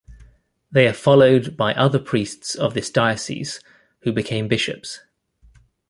They are followed by other priests of this diocese who became bishops.